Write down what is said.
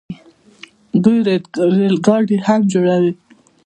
دوی ریل ګاډي هم جوړوي.